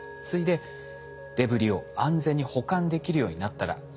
次いでデブリを安全に保管できるようになったら。